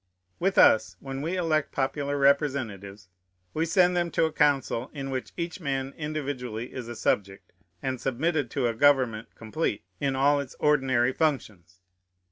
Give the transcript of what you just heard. With us, when we elect popular representatives, we send them to a council in which each man individually is a subject, and submitted to a government complete in all its ordinary functions.